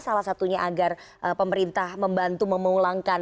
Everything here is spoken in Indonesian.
salah satunya agar pemerintah membantu memulangkan